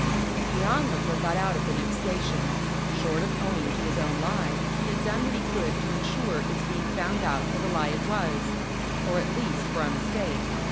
The Onlooker got out at the next station. Short of owning to his own lie, he had done what he could to insure its being found out for the lie it was or, at least, for a mistake.